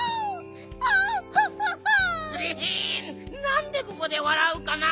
なんでここでわらうかな？